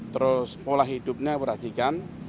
terus pola hidupnya perhatikan